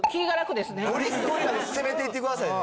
ごりごり攻めていってくださいね。